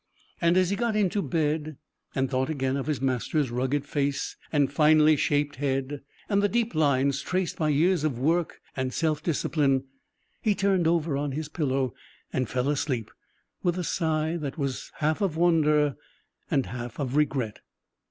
And as he got into bed and thought again of his master's rugged face, and finely shaped head, and the deep lines traced by years of work and self discipline, he turned over on his pillow and fell asleep with a sigh that was half of wonder, half of regret.